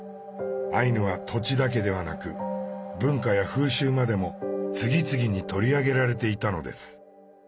アイヌは土地だけではなく文化や風習までも次々に取り上げられていたのです。